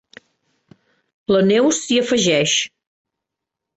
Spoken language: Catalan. La Neus s'hi afegeix.